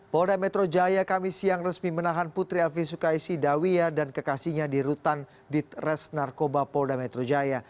polda metro jaya kami siang resmi menahan putri elvi sukaisi dawiya dan kekasihnya di rutan ditres narkoba polda metro jaya